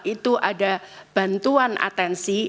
itu ada bantuan atensi